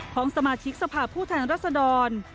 ของสมาชิกสภาพผู้แทนรัศดร